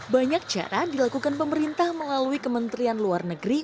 banyak cara dilakukan pemerintah melalui kementerian luar negeri